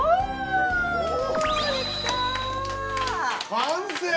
完成！